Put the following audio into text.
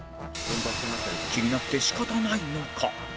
気になって仕方ないのか？